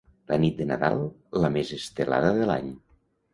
La nit de Nadal, la més estelada de l'any.